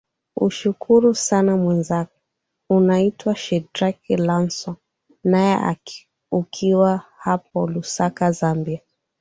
ushukuru sana mwezangu unaitwa shadrack lanson naye ukiwa hapo lusaka zambia